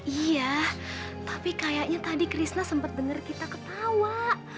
iya tapi kayaknya tadi krishna sempat dengar kita ketawa